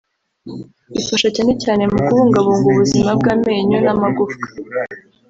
ifasha cyane cyane mu kubungabunga ubuzima bw’amenyo n’amagufwa